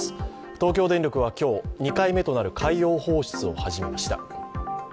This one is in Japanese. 東京電力は今日、２回目となる海洋放出を始めました。